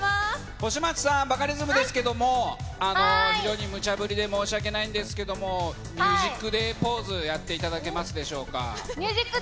星街さん、バカリズムですけれども、非常にむちゃぶりで申し訳ないんですけども、ＴＨＥＭＵＳＩＣＤＡＹポーズをやっていただけますでしょうか。